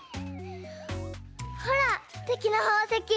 ほらすてきなほうせき！